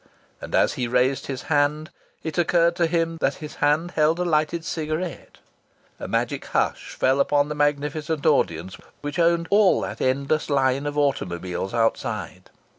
And as he raised his hand it occurred to him that his hand held a lighted cigarette. A magic hush fell upon the magnificent audience, which owned all that endless line of automobiles outside.